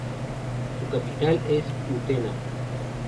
Su capital es Utena.